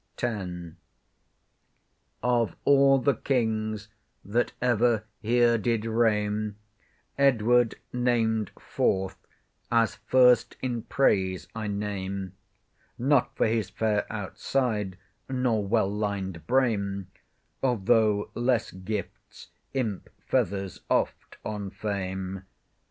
X Of all the kings that ever here did reign, Edward, named Fourth, as first in praise I name, Not for his fair outside, nor well lined brain— Although less gifts imp feathers oft on Fame.